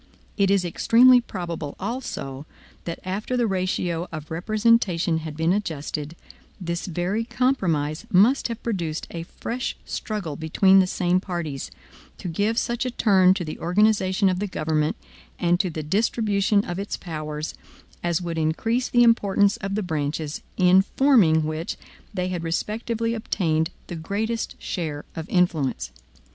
It is extremely probable, also, that after the ratio of representation had been adjusted, this very compromise must have produced a fresh struggle between the same parties, to give such a turn to the organization of the government, and to the distribution of its powers, as would increase the importance of the branches, in forming which they had respectively obtained the greatest share of influence.